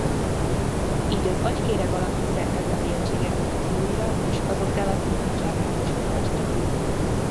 Így az agykéreg alatti szerkezeti egységek funkcióira és azok relatív nagyságára is hatást gyakorolt.